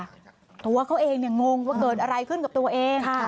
เพราะว่าเขาเองงงว่าเกิดอะไรขึ้นกับตัวเอง